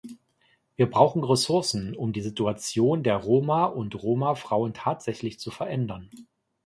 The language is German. Wir brauchen Ressourcen, um die Situation der Roma und Roma-Frauen tatsächlich zu verändern.